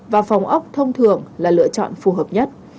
và phòng ốc thông thường là lựa chọn phù hợp nhất